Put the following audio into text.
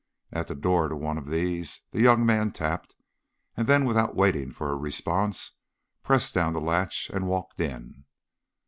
At the door of one of these the young man tapped, and then without waiting for a response, pressed down the latch and walked in.